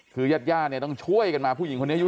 คือยาดเนี่ยต้องช่วยกันมาผู้หญิงคนเนี่ย